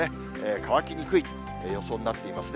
乾きにくい予想になっていますね。